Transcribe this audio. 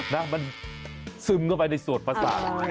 นะมันซึมเข้าไปในสวดประสาท